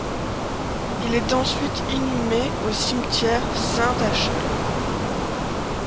Il est ensuite inhumé au cimetière Saint-Acheul.